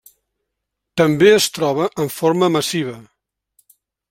També es troba en forma massiva.